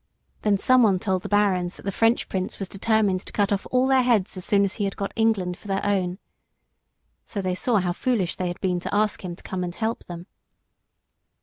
Then someone told the barons that the French Prince was determined to cut off all their heads as soon as he had got England for his own. So they saw how foolish they had been to ask him to come and help them.